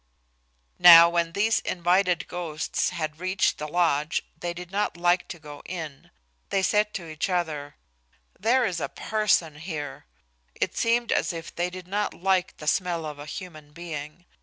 Now when these invited ghosts had reached the lodge they did not like to go in. They said to each other, "There is a person here"; it seemed as if they did not like the smell of a human being.